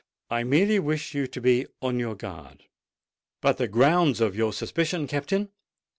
I merely wish you to be on your guard——" "But the grounds of your suspicion, Captain?"